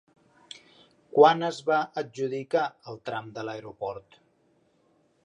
Quan es va adjudicar el tram de l'aeroport?